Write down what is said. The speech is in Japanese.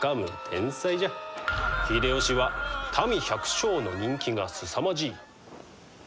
秀吉は民百姓の人気がすさまじい。